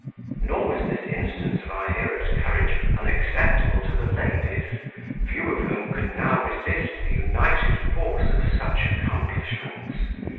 Nor was this instance of our hero's courage unacceptable to the ladies, few of whom could now resist the united force of such accomplishments.